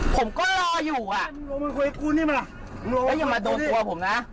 ผมก็รออยู่อ่ะลงมาคุยกูนี่มาอย่ามาโดดตัวผมนะ